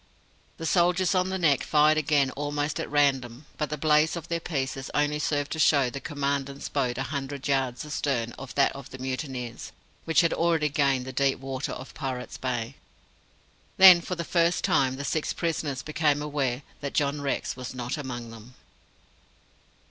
The soldiers on the Neck fired again almost at random, but the blaze of their pieces only served to show the Commandant's boat a hundred yards astern of that of the mutineers, which had already gained the deep water of Pirates' Bay. Then, for the first time, the six prisoners became aware that John Rex was not among them.